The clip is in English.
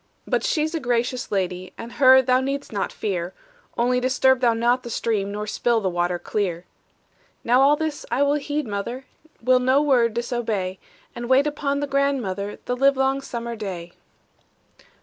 "But she's a gracious lady, And her thou need'st not fear; Only disturb thou not the stream, Nor spill the water clear." "Now all this I will heed, mother, Will no word disobey, And wait upon the grandmother This livelong summer day."